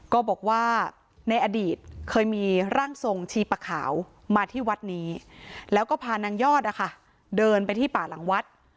ก็บอกว่าในอดีตเคยมีร่างทรงชีปะขาวมาที่วัดนี้แล้วก็พานางยอดนะคะเดินไปที่ป่าหลังวัด